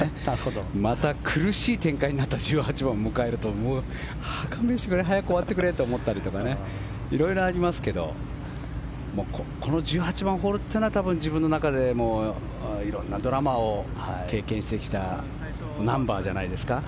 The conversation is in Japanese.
また苦しい展開になって１８番を迎えると勘弁してくれ早く終わってくれって思ったり色々ありますけどこの１８番ホールというのは多分、自分の中でも色んなドラマを経験してきたナンバーじゃないですか？